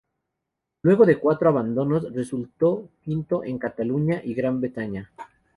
Luego de cuatro abandonos, resultó quinto en Cataluña y Gran Bretaña.